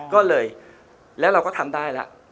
ก็เลยแล้วเราก็ทำได้แล้ว